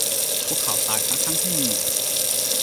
พวกเขาตายทั้ง ๆ ที่มี